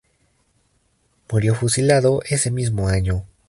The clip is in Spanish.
Murió fusilado ese mismo año.